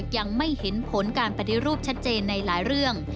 ยังไม่เห็นผลการปฏิรูปชัดเจนในหลายเรื่อง